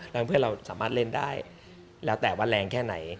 แล้วเพื่อนเราสามารถเล่นได้แล้วแต่ว่าแรงแค่ไหน